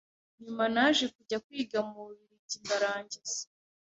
Nyuma naje kujya kwiga mu bubirigi ndarangiza